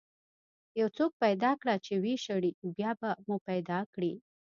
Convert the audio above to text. یو څوک پیدا کړه چې ويې شړي، بیا به مو پیدا کړي.